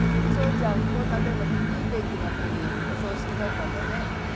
ちゃん、こんなでもいい天気の日に、お葬式だったんだね。